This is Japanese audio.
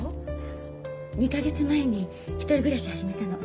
２か月前に１人暮らし始めたの。